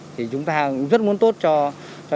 thì chúng ta rất muốn tốt cho